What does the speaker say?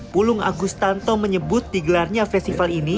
pulung agustanto menyebut digelarnya festival ini